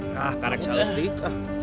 nah karek salet dikit